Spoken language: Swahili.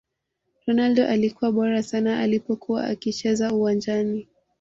Ronaldo alikuwa bora sana alipokuwa akicheza uwanjani